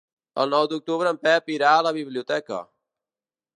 El nou d'octubre en Pep irà a la biblioteca.